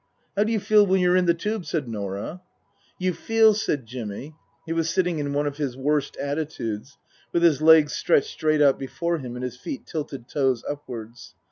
" How do you feel when you're in the Tube ?" said Norah. " You feel," said Jimmy he was sitting in one of his worst attitudes, with his legs stretched straight out before him and his feet tilted toes upwards.